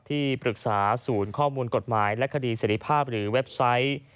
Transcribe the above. ที่ปรึกษาศูนย์ข้อมูลกฎหมายและคดีเสร็จภาพหรือเว็บไซต์